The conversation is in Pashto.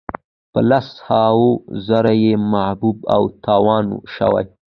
په لس هاوو زره یې معیوب او تاوان شوي.